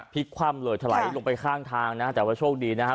คว่ำเลยถลายลงไปข้างทางนะฮะแต่ว่าโชคดีนะฮะ